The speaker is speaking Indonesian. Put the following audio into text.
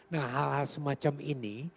nah hal hal semacam ini